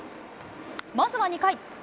まずは２回。